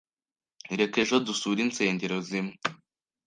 Reka ejo dusure insengero zimwe.